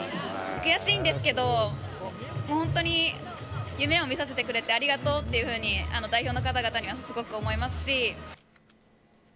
悔しいんですけど本当に夢を見させてくれてありがとうというふうに代表の方々にはすごく思いますし。